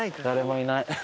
誰もいない。